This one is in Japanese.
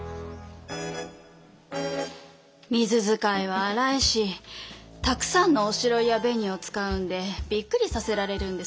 水づかいは荒いしたくさんの白粉や紅を使うんでびっくりさせられるんです。